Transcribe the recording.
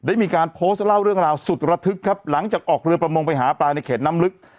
ได้มีการโพสต์เล่าเรื่องราวสุดระทึกครับหลังจากออกเรือประมงไปหาปลาในเขตน้ำลึก